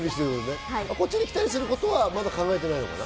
こっちに来たりすることは考えてないのかな？